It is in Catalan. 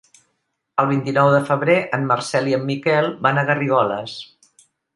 El vint-i-nou de febrer en Marcel i en Miquel van a Garrigoles.